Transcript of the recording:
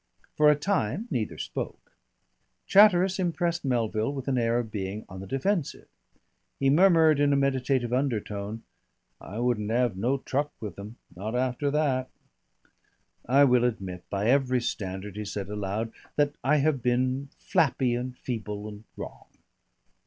For a time neither spoke. Chatteris impressed Melville with an air of being on the defensive. He murmured in a meditative undertone, "I wouldn't 'ave no truck with 'im not after that." "I will admit by every standard," he said aloud, "that I have been flappy and feeble and wrong.